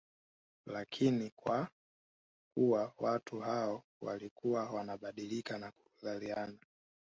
Lakini kwa kuwa watu hao walikuwa wanabadilika na kuzaliana